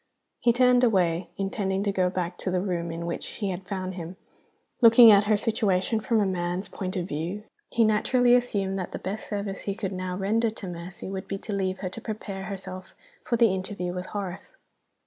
He turned away, intending to go back to the room in which she had found him. Looking at her situation from a man's point of view, he naturally assumed that the best service he could now render to Mercy would be to leave her to prepare herself for the interview with Horace.